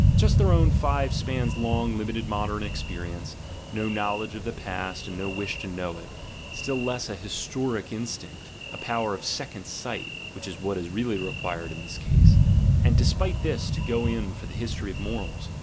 Just their own five spans long limited modern experience; no knowledge of the past, and no wish to know it; still less a historic instinct, a power of "second sight" (which is what is really required in this case) — and despite this to go in for the history of morals.